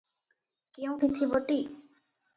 କେଉଁଠି ଥିବଟି!